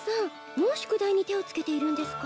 もう宿題に手をつけているんですか？